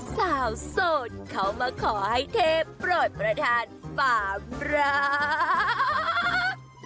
สาวโสดเขามาขอให้เทพโปรดประธานฝากรัก